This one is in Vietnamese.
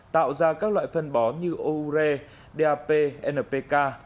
tạo ra các loại phân bón như oure dap npk